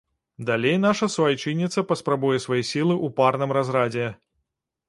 Далей наша суайчынніца паспрабуе свае сілы ў парным разрадзе.